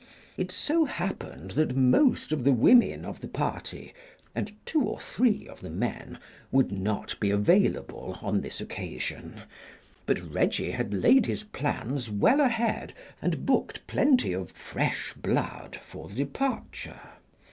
It so happened that most of the women of the party, and two or three of the men, would not be available on this occasion, but Reggie had laid his plans well ahead and booked plenty of "fresh blood" for the departure.